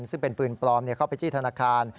ซึ่งเป็นปืนปลอมเข้าไปจี้ธนาคาร